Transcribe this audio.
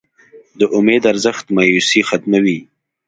د امید ارزښت مایوسي ختموي.